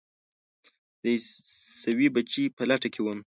د عیسوي بچي په لټه کې وم.